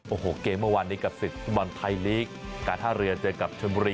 โอ้โหเกมเมื่อวานนี้กับศึกฟุตบอลไทยลีกการท่าเรือเจอกับชนบุรี